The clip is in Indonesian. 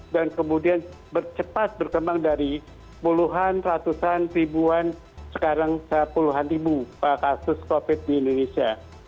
dan kemudian cepat berkembang dari puluhan ratusan ribuan sekarang puluhan ribu kasus covid di indonesia